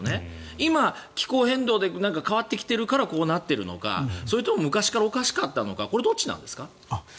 今、気候変動で変わってきているからこうなっているのかそれとも昔からおかしかったのかこれはどっちなんですか。